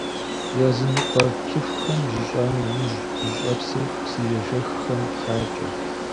Языныкъуэ цӀыхухэм, жьыщӀа нэужь, жьыщӀэпсыр псыежэххэм хакӀэ.